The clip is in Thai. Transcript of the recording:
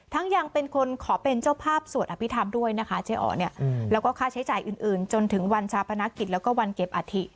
ทั้งยังเป็นคนขอเป็นเจ้าภาพสวดอภิษฐรรมด้วยนะคะเจ๊อ๋อและค่าใช้จ่ายอื่นจนถึงวันชาปนกิจและรวมเก็บอาธิ